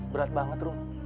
berat banget rom